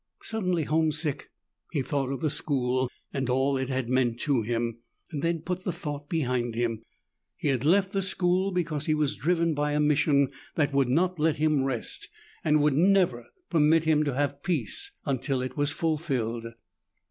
Suddenly homesick, he thought of the school and all it had meant to him, then put the thought behind him. He had left the school because he was driven by a mission that would not let him rest and would never permit him to have peace until it was fulfilled.